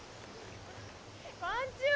こんちは！